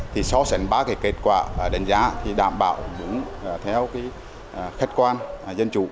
thì so sánh ba cái kết quả đánh giá thì đảm bảo đúng theo cái khách quan dân chủ